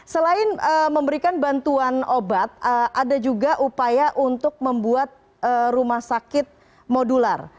selain memberikan bantuan obat ada juga upaya untuk membuat rumah sakit modular